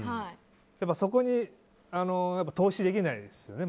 そこに、投資できないですよね。